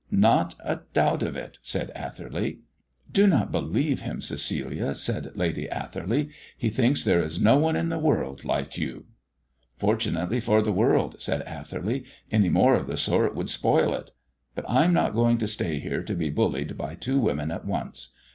"Not a doubt of it," said Atherley. "Do not believe him, Cecilia," said Lady Atherley: "he thinks there is no one in the world like you." "Fortunately for the world," said Atherley; "any more of the sort would spoil it. But I am not going to stay here to be bullied by two women at once.